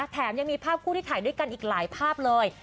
แถมยังมีภาพคู่ที่ถ่ายด้วยกันอีกหลายภาพเลย